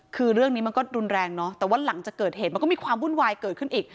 คือเรื่องนี้มันก็รุนแรงเนอะแต่ว่าหลังจากเกิดเหตุมันก็มีความวุ่นวายเกิดขึ้นอีก